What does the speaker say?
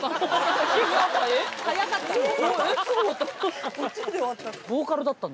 早かった。